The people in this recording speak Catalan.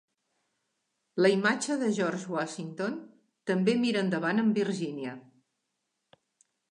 La imatge de George Washington també mira endavant amb Virginia.